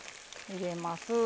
入れます。